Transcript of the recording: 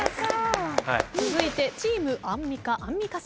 続いてチームアンミカアンミカさん。